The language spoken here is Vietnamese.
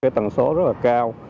tần số rất là cao